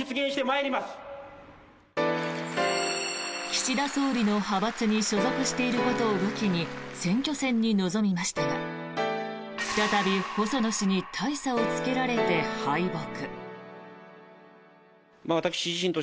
岸田総理の派閥に所属していることを武器に選挙戦に臨みましたが再び細野氏に大差をつけられて敗北。